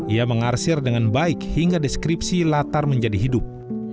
ia mengarsir dengan baik hingga deskripsi latar menjadi hidup